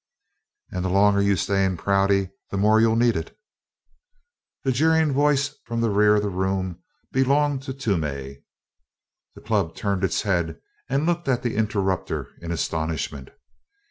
"And the longer you stay in Prouty the more you'll need it!" The jeering voice from the rear of the room belonged to Toomey. The Club turned its head and looked at the interrupter in astonishment.